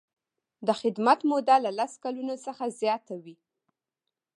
د خدمت موده له لس کلونو څخه زیاته وي.